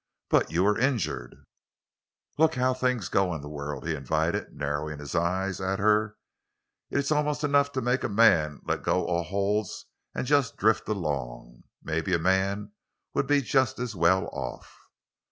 "But you were injured!" "Look how things go in the world," he invited, narrowing his eyes at her. "It's almost enough to make a man let go all holds and just drift along. Maybe a man would be just as well off.